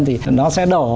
thì nó sẽ đổ